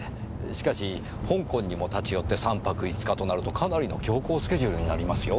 しかし香港にも立ち寄って３泊５日となるとかなりの強行スケジュールになりますよ。